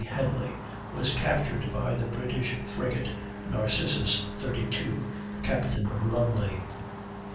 Henly was captured by the British frigate Narcissus, 32, Captain Lumly.